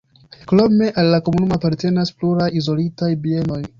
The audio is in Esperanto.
Krome al la komunumo apartenas pluraj izolitaj bienoj.